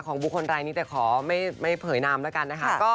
ของบุคลไลน์แต่ขอไม่เปยนามละกันนะคะ